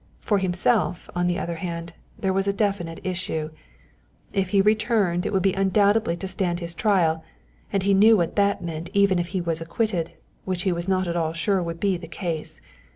For himself, on the other hand, there was a definite issue: if he returned it would be undoubtedly to stand his trial, and he knew what that meant even if he was acquitted, which he was not at all sure would be the case.